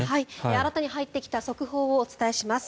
新たに入ってきた速報をお伝えします。